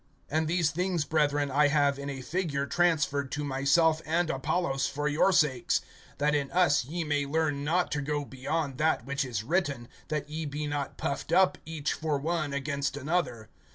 (6)And these things, brethren, I have in a figure transferred to myself and Apollos for your sakes; that in us ye may learn not to go beyond that which is written, that ye be not puffed up each for one against another.